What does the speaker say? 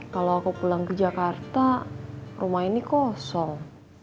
kalau aku pulang ke jakarta rumah ini kosong